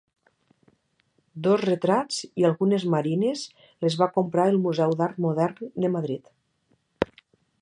Dos retrats i algunes marines les va comprar el Museu d'Art Modern de Madrid.